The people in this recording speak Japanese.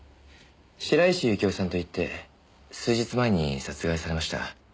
白石幸生さんといって数日前に殺害されました。